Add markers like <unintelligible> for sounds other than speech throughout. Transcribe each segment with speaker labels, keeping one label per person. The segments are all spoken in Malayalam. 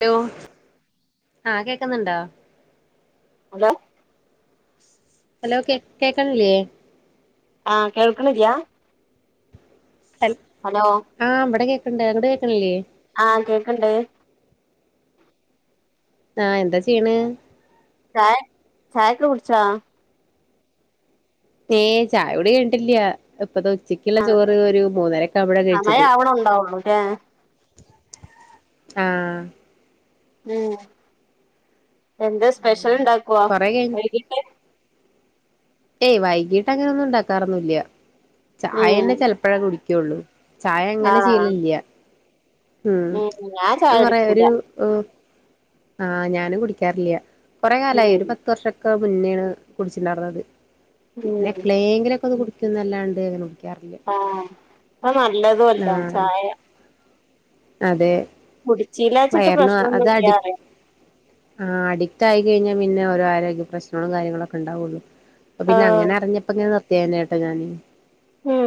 Speaker 1: ഹലോ ആ കേക്കുന്നുണ്ടോ
Speaker 2: ഹലോ
Speaker 1: ഹലോ കേ കേക്കണില്ലേ
Speaker 2: ആ കേൾക്കണില്ല്യാ
Speaker 1: ഹൽ
Speaker 2: ഹലോ
Speaker 1: ആ ഇവിടെ കേക്കണ്ട് അവിടെ കേക്ക്ണില്ല്യേ
Speaker 2: ആഹ് കേക്കണ്ട്
Speaker 1: ആ എന്താ ചെയ്യണ്
Speaker 2: ചായ ചായക്കെകുടിച്ചാ
Speaker 1: ഏ ചായകുടി കഴിഞ്ഞിട്ട്ല്ല്യാ ഇപ്പോ <unintelligible> ചിക്കള്ള
Speaker 2: ആഹ്
Speaker 1: ചോറ് ഒരു മൂന്നരക്കെ ആവുമ്പോയ
Speaker 2: സമയം
Speaker 1: കഴിച്ചത്
Speaker 2: ആവണുണ്ടാവുള്ളൂല്ലേ
Speaker 1: ആ
Speaker 2: ഉം എന്താ സ്പെഷ്യൽ ഉണ്ടാക്കുവാ
Speaker 1: കൊറെ കഴിഞ്ഞ്
Speaker 2: വൈകിട്ട്
Speaker 1: ഏയ് വൈകീട്ട് അങ്ങന ഒന്നും ഉണ്ടാക്കാറൊന്നുല്ല
Speaker 2: ഉം
Speaker 1: ചായന്നെ ചെല്ലപ്പോയ കുടി ക്കോള്ളു ചായ അങ്ങനെ
Speaker 2: ആഹ്
Speaker 1: ശീലല്ല്യ ഉം
Speaker 2: ഞാൻ ചായ
Speaker 1: <unintelligible> കുറെ
Speaker 2: കുടിക്കൂല
Speaker 1: ഒരു ഉം ആ ഞാനും കുടിക്കാറില്ല കുറെ കാലായി
Speaker 2: ഉം
Speaker 1: ഒരു പത്ത് വർഷ ഒക്കെ ക്കാ മുന്നെയാണ് കുടിച്ചിണ്ടായിരുന്നത് ക പിന്നെ
Speaker 2: ഉം
Speaker 1: എപ്ളേങ്കിലും ഒക്കൊന്ന് കുടി ക്ക് ഇന്നെല്ലാം ണ്ടായിരുന്നു.
Speaker 2: ആഹ് അപ്പം നല്ലതുമല്ല
Speaker 1: ആഹ്
Speaker 2: ചായ
Speaker 1: അതെ
Speaker 2: കുടിച്ചീലാച്ചിട്ട്
Speaker 1: വയറിന് അത്
Speaker 2: പ്രശ്നൊന്നുല്ല്യാ
Speaker 1: അഡിക്
Speaker 2: പറയാ
Speaker 1: ആ അഡിക്റ്റ് ആയിക്കഴിഞ്ഞാ പിന്നെ ഓരോ ആരോഗ്യ പ്രശ്നങ്ങളും കാര്യങ്ങളൊക്കെ ഉണ്ടാവുവുള്ളൂ. അപ്പൊ പിന്നെ
Speaker 2: ആഹ്
Speaker 1: അങ്ങനെ അറിഞ്ഞപ്പങ്ങനെ നിർ <unintelligible>
Speaker 2: ഉം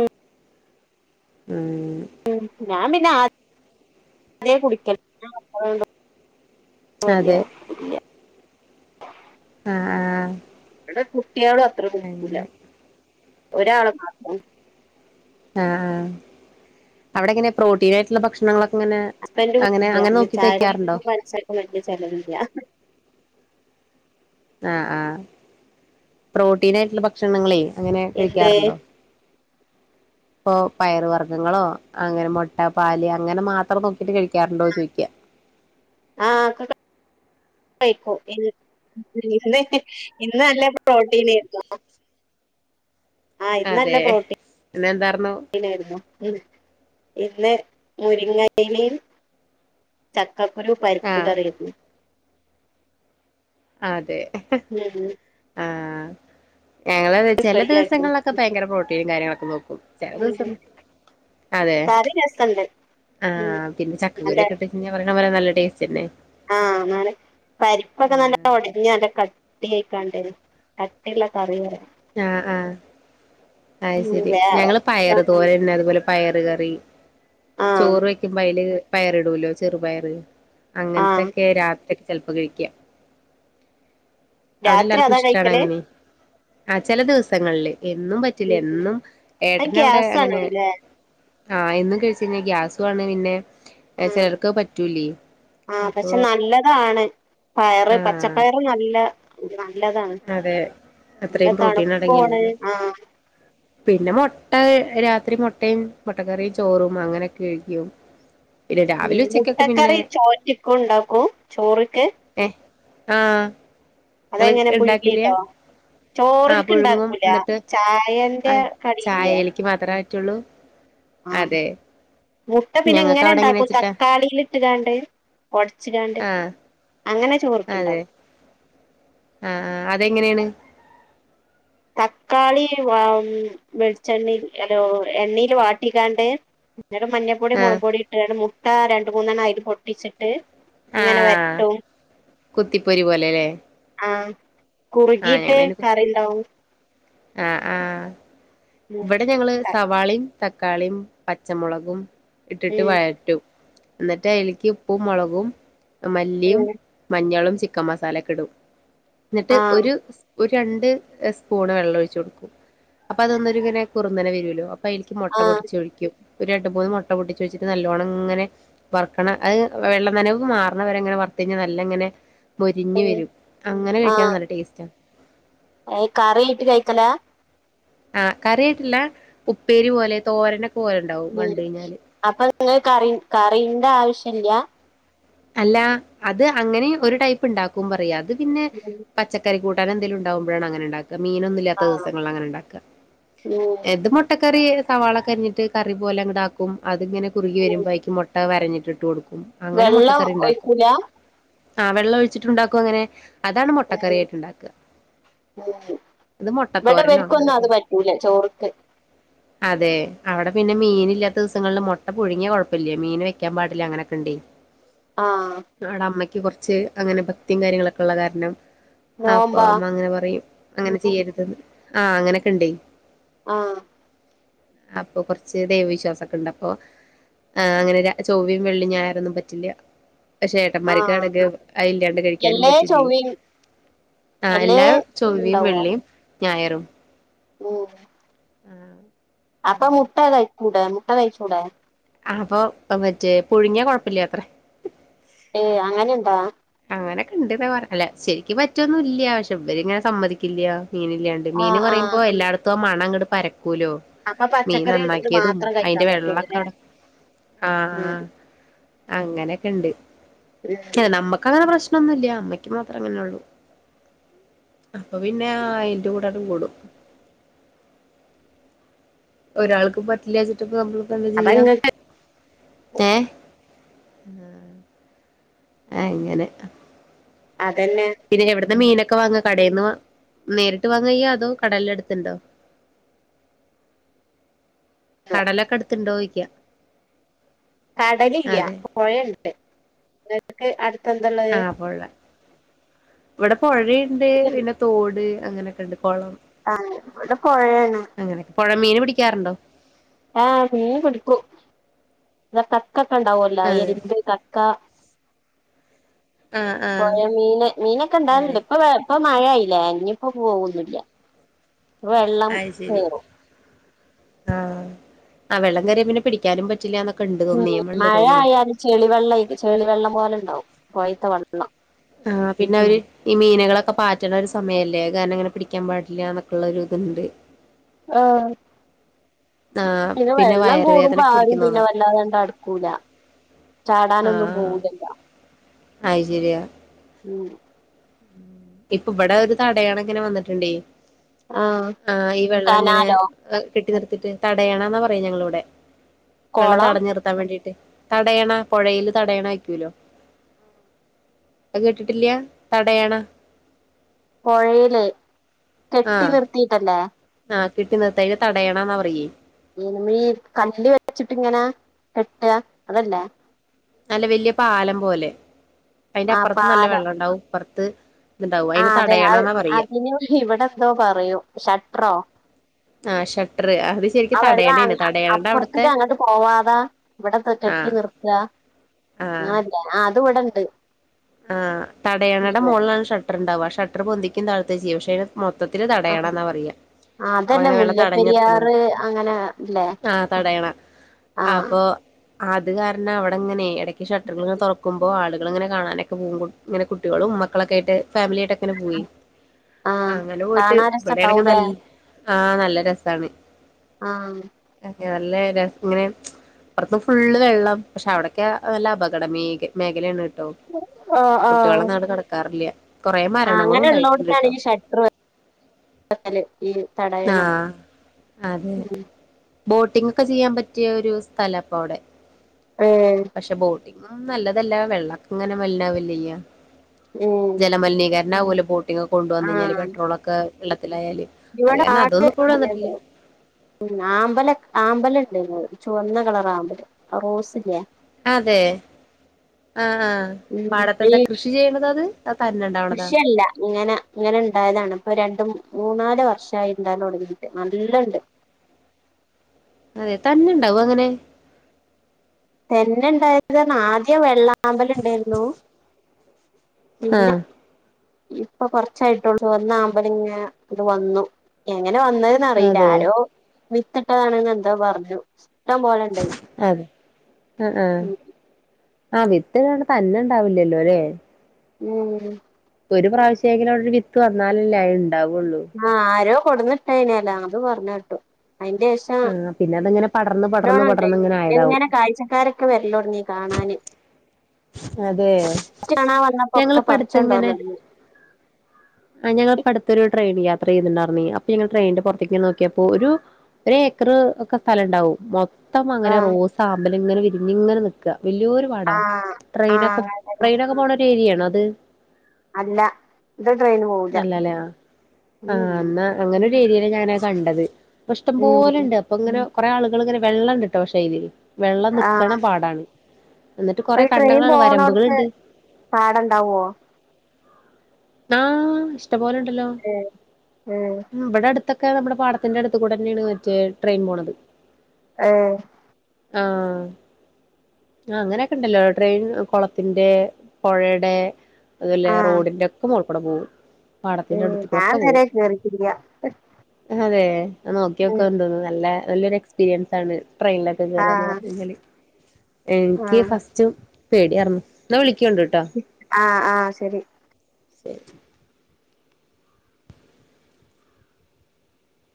Speaker 1: ഉം
Speaker 2: ഉം ഞാൻ പിന്നെ ഞാൻ ആദ്യം പിന്നേ കുടിക്കൽ <unintelligible> ഇപ്പോ ഇല്ലൃ
Speaker 1: അതെ
Speaker 2: ഇല്ലൃ
Speaker 1: ആഹ് ആഹ്
Speaker 2: <unintelligible> കേരളം അത്ര <unintelligible> ഒരാൾ മാത്രം ഉം.
Speaker 1: ആഹ് അവിടെ എങ്ങനെ പ്രോട്ടീൻ ആയിട്ടുള്ള ഭക്ഷണങ്ങളൊ?
Speaker 2: അപ്പന്റെ <unintelligible>
Speaker 1: വെക്കാറുണ്ടോ
Speaker 2: ചായപൊടിക്കും പൻസാരക്കും വലിയ ചിലവില്ല.
Speaker 1: ആ ആഹ് പ്രോട്ടീൻ ആയിട്ടുള്ള ഭക്ഷണങ്ങളെ അങ്ങനെ
Speaker 2: എന്ത്
Speaker 1: കഴിക്കാറുണ്ടോ? ഇപ്പൊ പയറു വർഗ്ഗങ്ങളോ അങ്ങനെ മുട്ട പാല് അങ്ങനെ മാത്രം നോക്കിട്ട് കഴിക്കാറുണ്ടോന്ന് ചോദിക്ക.
Speaker 2: ആഹ ക്കെ കഴിക്ക <unintelligible> ഇന്ന് നല്ല പ്രോട്ടീൻ <unintelligible> ആഹ് ഇത് നല്ല
Speaker 1: അതെ
Speaker 2: പ്രോട്ടീ
Speaker 1: പിന്നെന്താർന്നു
Speaker 2: നായിരുന്നു. ഉം ഇന്ന് മുരിങ്ങേലയിൽ ചക്ക് - പപ്പടം
Speaker 1: ആഹ്
Speaker 2: പരിപ്പുകറിയും
Speaker 1: അതേ
Speaker 2: <unintelligible>
Speaker 1: ഞങ്ങള് ചെല
Speaker 2: ഫ്രൈ ആക്കിയോ
Speaker 1: ദിവസങ്ങളിലൊക്കെ ഭയങ്കര പ്രോട്ടീനും കാര്യങ്ങള്- അോ <unintelligible> ചില
Speaker 2: ഉം
Speaker 1: ദിവസം അതെ
Speaker 2: കറി രസണ്ട്
Speaker 1: ആ
Speaker 2: ഉം
Speaker 1: പിന്നെ
Speaker 2: നല്ല
Speaker 1: ചക്കക്കുരു ഒക്കെയിട്ട് ഇങ്ങ പറ പോല നല്ല- ടേസ്റ്റ് തന്നെ
Speaker 2: ആഹ് മാറി പരിപ്പൊക്കെ നല്ലോലെ ഓടച്ച-
Speaker 1: ആഹ്
Speaker 2: ഇല്ല കട്ടി ആക്കാണ്ട കട്ടിയുള്ള കറി
Speaker 1: ആഹ് ആഹ് അത്
Speaker 2: ഉം
Speaker 1: ശരി
Speaker 2: വേറെ
Speaker 1: ഞങ്ങള് പയറ് തോരൻ അതുപോലെ- പയറ് കറി
Speaker 2: ആഹ്
Speaker 1: ചോറ് വെക്കുമ്പോ അയില് പയറിടുലോ ചെറുപയറ്.
Speaker 2: ആഹ്
Speaker 1: അങ്ങനത്തെക്കെ രാത്രി ചെലപ്പം കഴിക്ക.
Speaker 2: രാത്രി അതാ കഴിക്കണേ?
Speaker 1: ആ ചില ദിവസങ്ങളില്- എന്നും പറ്റില്ല എന്നും
Speaker 2: അത്
Speaker 1: ഏട്ടന് അവിടെ അങ്ങനെ-
Speaker 2: ഗ്യാസാണ്ല്ലേ
Speaker 1: ആഹ് എന്നും കഴിച്ച് കഴിഞ്ഞാ ഗ്യാസു ആണ് പിന്നെ-
Speaker 2: ആഹ്
Speaker 1: ചിലർക്ക് പറ്റൂലേ
Speaker 2: ആഹ്
Speaker 1: അപ്പൊ
Speaker 2: പക്ഷെ നല്ലതാണ് പയറ്
Speaker 1: ആഹ്
Speaker 2: പച്ചപ്പയറ് നല്ല- <unintelligible> നല്ലതാണ്
Speaker 1: അതെ
Speaker 2: നല്ല
Speaker 1: അത്രയും പ്രോട്ടീൻ
Speaker 2: തണുപ്പാണ്,
Speaker 1: അടങ്ങിയിട്ടുണ്ടല്ലോ
Speaker 2: ആഹ്
Speaker 1: പിന്നെ മൊട്ട രാത്രി മൊട്ടയും മൊട്ടക്കറിയും ചോറും അങ്ങനെയൊക്കെ കഴിക്കും. പിന്നെ
Speaker 2: ഉ
Speaker 1: രാവിലെ ഉച്ചക്കൊക്കെ പിന്നെ
Speaker 2: മുട്ടക്കറി ഉണ്ടാക്കും ചോറക്ക്
Speaker 1: ആഹ
Speaker 2: അതെ എങ്ങനെ പുഴുകിട്ടോ
Speaker 1: ആഹ്
Speaker 2: ചോറക്ക്
Speaker 1: പുഴുങ്ങും
Speaker 2: ഇണ്ടാക്കൂല
Speaker 1: എന്നിട്ട്
Speaker 2: ചായന്റെ കടില്ലേ?
Speaker 1: <unintelligible> ഉള്ളു
Speaker 2: ആഹ മുട്ട പിന്നെ
Speaker 1: ഞങ്ങൾക്ക്
Speaker 2: ഇങ്ങനെ
Speaker 1: അവിടെ എങ്ങനെ
Speaker 2: ഉണ്ടാക്കും
Speaker 1: വെച്ചിട്ടാ
Speaker 2: തക്കാളിയിൽ ഇടാണ്ട് ഉടച്ച്
Speaker 1: ആഹ്
Speaker 2: അങ്ങനെ -
Speaker 1: അതെ ആ അതെങ്ങനെ <inaudible>
Speaker 2: തക്കാളി വെളിച്ചെണ്ണയിൽ അല്ലോ എണ്ണയിൽ വാട്ടിക്കാണ്ടേ- എന്നിട്ട് മഞ്ഞപ്പൊടി
Speaker 1: ആഹ്
Speaker 2: മുളപ്പൊടി ഇട്ടു രണ്ട്മുട്ട രണ്ട് മൂന്ന് ഇത് പൊട്ടിച്ചി്ട്ട്
Speaker 1: ആഹ കുത്തിപ്പൊരി പോലെല്ലേ
Speaker 2: കുറുകിട്ട് കറിയുണ്ടാവും
Speaker 1: ആഹ ആഹ
Speaker 2: ഉം
Speaker 1: ഇവിടെ ഞങ്ങള് സവാളയും തക്കാളിയും പച്ചമുളകും- ഇട്ടിട്ട്
Speaker 2: ഉം
Speaker 1: വയറ്റും എന്നിട്ട് അയ്ലിക്ക് ഉപ്പും മുളകും മല്ലിയും,
Speaker 2: ഉം
Speaker 1: മഞ്ഞളും ചിക്കൻ മസാലയൊക്കെ ഇടും എന്നിട്ട്
Speaker 2: ആഹ്
Speaker 1: ഒരു- രണ്ട് സ്പൂൺ ആണ് ഒഴിച്ചോടുക്കും അപ്പൊ അതൊന്നങ്ങെ കുറന്നെന വരുല്ലോ <unintelligible> മുട്ട
Speaker 2: ആഹ്
Speaker 1: പൊടിച്ചൊഴിക്കും ഒരു രണ്ടു, മൂന്ന് മുട്ട പൊടിച്ച് വെച്ചിട്ട് നല്ലവണ്ണങ്ങനെ വറക്കണം അത് വെള്ളം നനവ് മാറണവരെങ്ങനെ വറുത്തു കഴിഞ്ഞാൽ നല്ലങ്ങനെ- പൊരിഞ്ഞ്
Speaker 2: പിന്നെ
Speaker 1: വരും അങ്ങനെ കഴിക്കൻ നല്ല ടേസ്റ്റാ
Speaker 2: കറി ഇട്ട് കഴിക്കലാ
Speaker 1: ആഹ കറി ആയിട്ടില്ല ഉപ്പേരി പോലെ തോരന പോലണ്ടാവും
Speaker 2: ഉം
Speaker 1: കണ്ട് കഴിഞ്ഞാല്
Speaker 2: <unintelligible> കറി കാറിന്റെ ആവശ്യല്ല്യാ
Speaker 1: അല്ല അത് അങ്ങനെ ഒരു ടൈപ്പ് ഉണ്ടാക്കും പറയാ അത് പിന്നെ പച്ചക്കറി കൂ കൂട്ടാൻന്തേലും ഉണ്ടാവുമ്പോയാണ് അങ്ങെ ഉണ്ടുക മീനൊന്നുംല്ലാത്ത
Speaker 2: ആഹ്
Speaker 1: ദിവസങ്ങളിൽ അങ്ങനെ ഉണ്ടാക്ക
Speaker 2: ഉം
Speaker 1: ഏത് മുട്ടക്കറി സവാളകരിഞ്ഞിട്ട് കറി പോലെ അങ്ങട്ടാക്കും അതിങ്ങന കുറുകി
Speaker 2: ഉം.
Speaker 1: വരുമ്പോ ആയിക്ക് മു വരഞ്ഞിട്ട്കൊടുക്കും അങ്ങനെ മുട്ടക്കറി ഉണ്ടാക്കും
Speaker 2: <unintelligible>
Speaker 1: ആഹ് വെള്ളം ഒഴിച്ചിട്ടുണ്ടാക്കും അങ്ങനെ അതാണ് മുട്ടക്കറി ആയിട്ട് ഉണ്ടാക്കുക ഇത്
Speaker 2: ഇവിടെ
Speaker 1: മുട്ടത്തോരനോ അങ്ങനെ
Speaker 2: വെക്കൊന്നും
Speaker 1: എന്തൊക്കെ
Speaker 2: അത്
Speaker 1: പറയും
Speaker 2: പറ്റൂല ചോറക്ക്
Speaker 1: അതെ അവിടെ പിന്നെ മീൻ ഇല്ലാത്ത ദിവസങ്ങളില് മുട്ട പുഴുങ്ങിയാ കുഴപ്പമില്ലേ മീൻ വെക്കാൻ പാടില്ല അങ്ങനെയൊക്കെ ഉണ്ടെ
Speaker 2: ആഹ
Speaker 1: ക്ക് കുറച്ച് അങ്ങനെ ഭക്തിയും കാര്യങ്ങളൊക്കെ ഉള്ള കാരണം ആപ്പൊ
Speaker 2: നോമ്പാ
Speaker 1: അമ്മ അങ്ങനെ പറയും അങ്ങനെ ചെയ്യരുത് ആഹ് അങ്ങനെയൊക്കെ ഇണ്ടെ
Speaker 2: ആഹ
Speaker 1: അപ്പൊ കുറച്ച് ദൈവവിശ്വാസംഒക്കെണ്ട് അപ്പം അങ്ങനെ ചൊവ്വയും വെള്ളിയും ഞായറും ഒന്നും പറ്റില്ല ചേട്ടന്മാർക്ക്
Speaker 2: ആഹ്
Speaker 1: ആണെങ്കി അതില്ലാണ്ട് കഴിക്കാനും
Speaker 2: എല്ലേ
Speaker 1: പറ്റില്ലേ
Speaker 2: ചൊവ്വയും
Speaker 1: ആ
Speaker 2: എല്ലേ
Speaker 1: എല്ലാം ചൊവ്വയും വെള്ളീം ഞായറും
Speaker 2: ഓ
Speaker 1: ആഹ്
Speaker 2: അപ്പം
Speaker 1: അങ്ങനെ
Speaker 2: മുട്ട കൂട മുട്ടകഴിച്ചൂടെ
Speaker 1: അപ്പൊ മുട്ട മറ്റേ പുഴുങ്ങിയാ കൊഴപ്പില്ല അത്രെ
Speaker 2: ഏയ് അങ്ങനെന്താ
Speaker 1: അങ്ങനെ കെണ്ട്ന്ന പറയല് ശെരിക്കും പറ്റുവൊന്നും ഇല്ല പക്ഷെ ഇവരി ഇങ്ങനെ സമ്മതിക്കില്ല മീനില്ലാണ്ട്
Speaker 2: ആഹ്
Speaker 1: മീന്
Speaker 2: ആഹ്
Speaker 1: പറയുമ്പോ എല്ലായിടത്തും അങ്ങട്ട് പര പോലോ
Speaker 2: അപ്പൊ
Speaker 1: മീൻ
Speaker 2: പച്ചക്കറി ഇത്
Speaker 1: നന്നാക്കിയതും
Speaker 2: മാത്രം കഴിക്കാൻ
Speaker 1: അയിന്റെ വെള്ളമൊക്കെ
Speaker 2: പറ്റൂലല്ലേ
Speaker 1: അവിടെ ആ
Speaker 2: ഉം
Speaker 1: ആ അങ്ങനെയൊക്കെ ഉണ്ട്
Speaker 2: ഒരു
Speaker 1: പ്രശ്നന്നുംല്ല അമ്മയ്ക്ക് മാത്രേ അങ്ങനെള്ളൂ അപ്പൊ പിന്നെ അയിന്റെ കൂടങ്ങ് കൂടും ഒരാൾക്ക് പറ്റില്ലാച്ചിട്ട് ഇപ്പൊ നമ്മ എന്താ
Speaker 2: അപ്പൊ
Speaker 1: ചെയ്യാ
Speaker 2: ഇങ്ങക്ക്
Speaker 1: ഏ ആ അങ്ങനെ
Speaker 2: അതന്നെ
Speaker 1: പിന്നെ എവിടുന്ന് മീനൊക്കെ ക്കെ വാങ്ങാ കടേന്നു നേരിട്ട് വാ <unintelligible> അതോ കടല് അടുത്തുണ്ടോ കടലക്കെ അടുത്തുണ്ടോയി ല്ല
Speaker 2: കടലില്ല പൊഴയുണ്ട് ക്കെ അ
Speaker 1: ആ പൊള്ളെ ഇവിടെ പൊഴെണ്ട്. പിന്നെ തോട് അങ്ങനെക്കെണ്ട്.
Speaker 2: ആ ഇവിടെ പൊഴയാണ്.
Speaker 1: ക്കാറുണ്ടോ?
Speaker 2: ആ മീൻ പിടിക്കും. <unintelligible> കക്കക്കെ ഒണ്ടാവുലോ?
Speaker 1: അതെ
Speaker 2: ഐരുന്ത്‌ കക്ക
Speaker 1: ആഹ് ആഹ്
Speaker 2: പൊയേ മീന് മീനൊക്കെ
Speaker 1: അതെ
Speaker 2: ഒണ്ടാകലുണ്ട്. ഇപ്പൊ വേ ഇപ്പം മയയായില്ലേ ഇനിയിപ്പോ പോവോംന്നില്ല. വെള്ളം <unintelligible>
Speaker 1: ആ ആ വെള്ളം കേറിയ പിന്നെ പിടിക്കാനും പറ്റ്
Speaker 2: ഉം മഴയയാലും ചെളിവെള്ള ചെളിവെള്ളം പോലെണ്ടാവും. പൊയേത്തെ വെള്ളം.
Speaker 1: ആഹ പിന്നെ അവര് ഈ മീനകളൊക്കെ പാറ്റണ ഒരു സമയല്ലേ? കാരണം ഇങ്ങനെ പിടിക്കാൻ പാടില്ല എന്നൊക്കെയുള്ള ഒരു ഇതുണ്ട്.
Speaker 2: ആഹ്
Speaker 1: ആഹ്
Speaker 2: പിന്നെ വെള്ളം കൂടുമ്പോ
Speaker 1: വയറുവേദനൊക്കെ
Speaker 2: ആരും
Speaker 1: പിടിക്കുന്ന്
Speaker 2: പിന്നെ
Speaker 1: തോന്നുന്നു
Speaker 2: വല്ലാതണ്ട് അടുക്കൂല. ചാടാനൊന്നും പോവലലില്ല.
Speaker 1: അയ്ശരിയാ.
Speaker 2: ഉം
Speaker 1: ഇപ്പ ഇബടെ ഒരു തടയണങ്ങനെ വന്നിട്ടുണ്ടേ ആ ഈ വെള്ളം ഇങ്ങനെ
Speaker 2: കനാലോ
Speaker 1: കെട്ടി നിർ ത്തിട്ട് തടയണന്നാ പറയ ഞങ്ങളിവിടെ വെള്ളം
Speaker 2: കൊളം
Speaker 1: തടഞ്ഞ നിർത്താൻ വേണ്ടിട്ട് തടയണ പുഴയില് തടയണ ആക്കൂലോ അത് കേട്ടിട്ടില്ല്യ തടയണ
Speaker 2: പൊഴയിലെ
Speaker 1: ആ
Speaker 2: കെട്ടി നിർത്തിയിട്ടല്ലേ
Speaker 1: ആ കെട്ടി നിർത്തി അയിന് തടയണാന്ന പറയെ
Speaker 2: മൂന്ന് മീ കല്ലില് വരച്ചിട്ട്ങ്ങനെ കെട്ട അതല്ലേ
Speaker 1: നല്ല വല്യ പാലം പോലെ അയിന്റെ
Speaker 2: ആ
Speaker 1: അപ്പറത്ത് നല്ല
Speaker 2: പാലം
Speaker 1: വെള്ളണ്ടാവുംപ്പുറത്ത് ത്ത്
Speaker 2: ആ അതെ അവ് അതിന് ഇവിടെ എന്തോ പറയൂ ഷട്ടറോ
Speaker 1: ആ ഷട്ടർ അത്
Speaker 2: ആ
Speaker 1: ശരിക്കും തടയണേണ്
Speaker 2: <unintelligible>
Speaker 1: തടയണയുടെ
Speaker 2: അപ്പുറത്തേക്ക
Speaker 1: അവിടുത്തെ
Speaker 2: അങ്ങോട്ട് പോവാതാ ഇവിടെ
Speaker 1: ആ
Speaker 2: കെട്ടി നിർത്ത അങ്ങനല്ല ആ അത് ഇവിടെ <unintelligible>
Speaker 1: ആഹ് തടയണയുടെ മോളിലാണ് ഷട്ടർണ്ടാവ. ഷട്ടറ് പൊന്തിക്കേം താഴ്ത്തേം ചെയ്യാം <unintelligible> മൊത്തത്തില് തടയണ എന്നാ പറയാ
Speaker 2: ആ
Speaker 1: അപ്പ
Speaker 2: അതല്ലേ
Speaker 1: അങ്ങനെ വെള്ളം തടഞ്ഞിർത്തണണ്ട്
Speaker 2: മുല്ലപ്പെരിയാറ് അങ്ങനെ ഇല്ലേ
Speaker 1: ആഹ് തടയണ
Speaker 2: ആഹ്
Speaker 1: അപ്പോ അത് കാരണം അവടെ ഇങ്ങനെ എടയ്ക്ക് ഷട്ടറുകള് ഇങ്ങനെ തൊറക്കുമ്പോ ആളുകള് ഇങ്ങനെ കാണാനെ ഇങ്ങനെ കുട്ടികളും മക്കളൊക്കെ ആയിട്ട് ഫാമിലിയായിട്ടൊ പോയി
Speaker 2: ആഹ്
Speaker 1: അങ്ങനെ പോയിട്ട്
Speaker 2: കാണാൻ
Speaker 1: ഇവിടാണയങ്കി
Speaker 2: രസണ്ടാവൂലേ
Speaker 1: നൽ ആഹ് നല്ല രസാണ്
Speaker 2: ആഹ്
Speaker 1: അ നല്ല ഇങ്ങനെ പുറത്ത് ഫുള്ള് വെള്ളം പക്ഷെ അവിടൊക്കെ നല്ല അപകട മേ മേഖലയാണ് ട്ടോ കുട്ടികളെന്നാണ് നടക്കാ പറില്ല
Speaker 2: ആ അങ്ങനെ ഉള്ളോടത്താണ് ഈ ഷർട്ടല് ഈ തടയണം
Speaker 1: ആഹ് അതെ
Speaker 2: ഉം
Speaker 1: ബോട്ടിംഗ് ഒക്കെ ചെയ്യാൻ പറ്റിയ ഒരു സ്ഥലാപ്പ അവിടെ
Speaker 2: ഏഹ്
Speaker 1: പക്ഷെ ബോട്ട നല്ലതല്ല വെള്ളൊക്ക ഇങ്ങനെ <unintelligible> ഇല്ല്യാ
Speaker 2: ഉം
Speaker 1: ജലമലിനീകരണാവൂലോ കൊണ്ടുവന്നു കഴിഞ്ഞാല്
Speaker 2: ആഹ്
Speaker 1: പെട്രോളൊക്കെ <unintelligible> അത്
Speaker 2: ഇവിടെ
Speaker 1: കാരണം അതൊന്നും ഇപ്പോഴും വന്നിട്ടില്ല
Speaker 2: <unintelligible> <unintelligible> ആമ്പല ആമ്പല്ണ്ട് ചുവന്ന കളർ ആമ്പൽ റോസ് ഇല്ലേ
Speaker 1: അതെ ആഹ
Speaker 2: ഉം ഈ
Speaker 1: പാടത്തെന്ത കൃഷി ചെയ്യണത അത് തന്നെ ഉണ്ടാവണതാ
Speaker 2: കൃഷിയല്ല ഇങ്ങനെ ഇങ്ങനെ ഇണ്ടായതാണ് ഇപ്പൊ രണ്ടും മൂന്നാല് വർഷയിണ്ടാലോ ഒടുങ്ങിട്ട് നല്ലണ്ട്
Speaker 1: അതെ തന്നുണ്ടാവോ അങ്ങനെ
Speaker 2: തന്നെ ഇണ്ടായത് ആദ്യ വെള്ളാമ്പൽ ഇണ്ടായിരുന്നു പിന്നെ
Speaker 1: ആഹ്
Speaker 2: ഇപ്പൊ കൊറച്ചായിട്ടൊള്ളൂ ഒന്നാമ്പൽ ഇങ്ങെ ഇത് വന്നു ങ്ങനെ വന്നെന്ന്ന്നറിയില്ല
Speaker 1: അതെ
Speaker 2: ആരോ വിത്തിട്ടതാണെന്ന് എന്താ പറഞ്ഞു ഇഷ്ടം പോലെണ്ട്
Speaker 1: ആ ആ ആ വിത്ത് പിന്നെ തന്നെ ഉണ്ടാവില്ലല്ലോ?
Speaker 2: ഹ്മ്മ്
Speaker 1: ഒരു പ്രാവശ്യമെങ്കിലും അവിടെ ഒരു വിത്ത് വന്നാലല്ലേ ഉണ്ടാവുള്ളൂ
Speaker 2: ആഹ് ആരോ കൊടന്നിട്ടെനിയലോ ആധു പറഞ്ഞേട്ട്. അതിന്റെ ശേഷം,
Speaker 1: ആഹ് പിന്നെ അതിങ്ങനെ പടർന്ന് പടർന്ന് പടർന്ന് ഇങ്ങനെ
Speaker 2: <unintelligible>
Speaker 1: ആയതാവും
Speaker 2: പിന്നെങ്ങനെ കാഴ്ചക്കാരൊക്കെ വരല് തുടങ്ങി കാണാന്
Speaker 1: അതെയൊ,
Speaker 2: ഫസ്റ്റ് കാണാൻ വന്നപ്പോ
Speaker 1: ഞങ്ങള്
Speaker 2: ഒക്കെ
Speaker 1: പട്ത്തിങ്ങനെ,
Speaker 2: പറിച്ചോണ്ടോവലൊടങ്ങി
Speaker 1: ആ ഞങ്ങളിപ്പട്തൊരു ട്രെയിൻ യാത്ര ചെയ്തുണ്ടായിരുന്നെ, അപ്പൊ ഞങ്ങൾ ട്രെയിന്റെ പുറത്തേക്ക് ഇങ്ങനെ നോക്കിയപ്പോ ഒരു ഏക്കർ ഒക്കെ സ്ഥലവുണ്ടാവും മൊത്തം
Speaker 2: ആ
Speaker 1: അങ്ങനെ റോസാ മ്പൽ. ഇങ്ങനെ വിരിഞ്ഞിങ്ങനെ നിക്കാ വലിയൊരു പാടാ
Speaker 2: ആ ആ
Speaker 1: ട്രെയിനൊക്കെ,
Speaker 2: അങ്ങനെ തന്നെ
Speaker 1: ട്രെയിനൊക്കെ പോകുന്ന ഏരിയ ആണോ? അത്
Speaker 2: അല്ല ഇത് ട്രെയിന് പോവൂല.
Speaker 1: അല്ലല്ലേ <unintelligible> ഞാനാകണ്ടത് ഇഷ്ടം
Speaker 2: ഉം
Speaker 1: പോലെ ഉണ്ട് അപ്പൊ ഇങ്ങന കുറേ ആളുകൾ വെള്ളണ്ട് ട്ടോ പക്ഷെ അയില് വെള്ളം
Speaker 2: ആ
Speaker 1: നിക്കണ പാടാണ്. എന്നിട്ട്
Speaker 2: അപ്പൊ
Speaker 1: കൊറേ
Speaker 2: ഈ ട്രെയിൻ
Speaker 1: കണ്ടങ്ങളാണ്
Speaker 2: പോണോട്ത്
Speaker 1: വരമ്പുകളുണ്ട്
Speaker 2: പാഠണ്ടാവോ?
Speaker 1: ആാാ ഇഷ്ട്ടം പോലെ ഇണ്ടല്ലോ.
Speaker 2: ഏ ഏ
Speaker 1: ഇവിടെ അടുത്തൊ ക്കെ നമ്മടെ പടത്തിന്റെ അടുത്തുകൂടെ ആണ് മറ്റെ ട്രെയിൻ പോവ്ണത്.
Speaker 2: ഏഹ്
Speaker 1: ആ, അ അങ്ങനെയൊക്കെ ഉണ്ടല്ലോ? ട്രെയിൻ കുളത്തിന്റെ പുഴയുടെ അതുപോലെ
Speaker 2: ആഹ്
Speaker 1: റോഡിന്റെയൊക്കെ മോൾ ടെ പോവും. പാടത്തിന്റെ
Speaker 2: ഉം ഞാൻ
Speaker 1: അടുത്തുകൂടെക്കെ പോവും.
Speaker 2: ഇതുവരെ കേറിട്ടില്ല.
Speaker 1: അതെ നോക്കിയൊക്കെണ്ട് നല്ല നല്ലൊരു എക്സ്പീരിയൻസ് ആണ്. ട്രെയിനിലൊക്കെ കേറന്ന്
Speaker 2: ആഹ്
Speaker 1: പറഞ്ഞിട്ടുണ്ടെങ്കില് എനിക്ക്
Speaker 2: ആഹ്
Speaker 1: ഫസ്റ്റ് പേടിയർന്നു എന്നാ വിളി ക്യണ്ട് ട്ടോ
Speaker 2: ആ ശരി
Speaker 1: ശരി